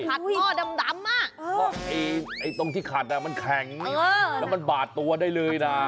จริงตรงที่ขัดมันแข็งและมันบาดตัวได้เลยนะ